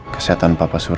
kesehatan papa sura